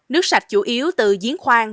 nước sạch chủ yếu từ diến khoang